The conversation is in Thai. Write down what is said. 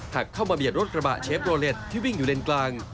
เข้ามาเบียดรถกระบะเชฟโรเล็ตที่วิ่งอยู่เลนกลาง